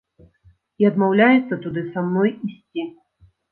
І адмаўляецца туды са мной ісці.